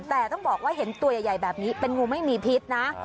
แต่ต้องบอกว่าเห็นตัวใหญ่แบบนี้เป็นงูไม่มีพิษนะ